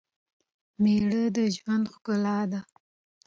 مېړه دژوند ښکلا ده